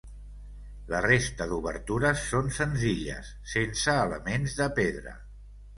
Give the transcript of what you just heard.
La resta d'obertures són senzilles, sense elements de pedra.